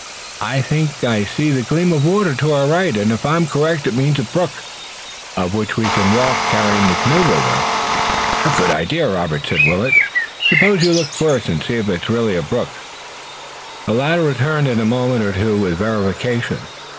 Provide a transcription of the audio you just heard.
I think I see the gleam of water to our right and if I'm correct it means a brook, up which we can walk carrying the canoe with us." "A good idea, Robert," said Willet. "Suppose you look first and see if it's really a brook." The lad returned in a moment or two with a verification.